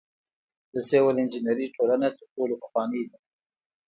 د سیول انجنیری ټولنه تر ټولو پخوانۍ ده.